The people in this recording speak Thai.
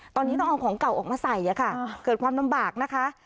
ตอนนี้ต้องเอาของเก่าออกมาใส่ค่ะเกิดความลำบากนะคะ